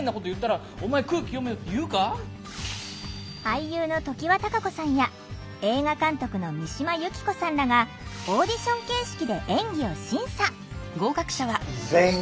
俳優の常盤貴子さんや映画監督の三島有紀子さんらがオーディション形式で演技を審査。